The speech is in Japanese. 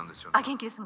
元気です。